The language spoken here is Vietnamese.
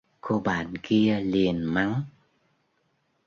Cô bạn kia liền mắng